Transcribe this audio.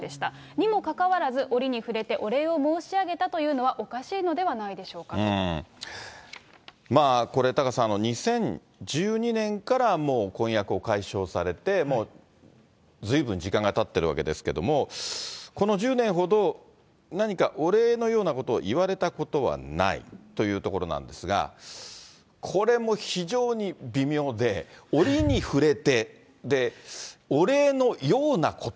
にもかかわらず、折に触れて、お礼を申し上げたというのはおかしこれタカさん、２０１２年からもう婚約を解消されて、もうずいぶん時間がたっているわけですけれども、この１０年ほど、何かお礼のようなことを言われたことはないというところなんですが、これも非常に微妙で、折に触れて、お礼のようなこと。